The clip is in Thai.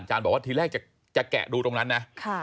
อาจารย์บอกว่าทีแรกจะแกะดูตรงนั้นนะ